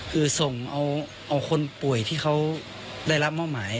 คือส่งเอาคนป่วยที่เขาได้รับมอบหมาย